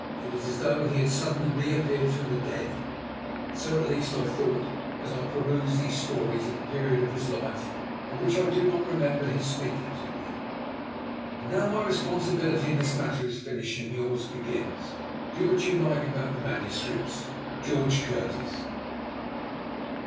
It is as though he had suddenly reappeared from the dead! So at least I thought as I perused these stories of a period of his life of which I do not remember his speaking to me. "And now my responsibility in this matter is finished and yours begins. Do what you like about the manuscripts." "George Curtis."